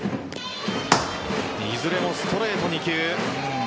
いずれもストレート２球。